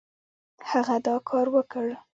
هغه دا کار وکړ.